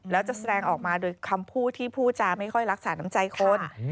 แล้วจะแสดงออกมาโดยคำพูดที่พูดจาไม่ค่อยรักษาน้ำใจคน